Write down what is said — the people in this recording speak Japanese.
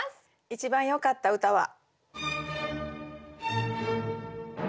一番よかった歌は。